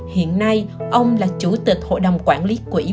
hiện nay ông là chủ tịch hội đồng quản lý quỹ việt nam